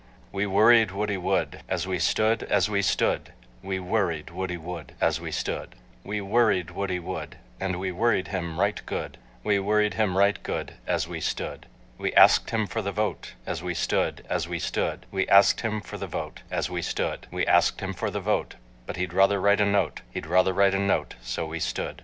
We worried Woody wood, As we stood, as we stood, We worried Woody wood, As we stood. We worried Woody wood, And we worried him right good; We worried him right good as we stood. We asked him for the vote, As we stood, as we stood, We asked him for the vote As we stood, We asked him for the vote, But he'd rather write a note, He'd rather write a note—so we stood.